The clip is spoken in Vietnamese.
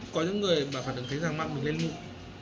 có những người phản ứng thấy da mặt mình lên mụn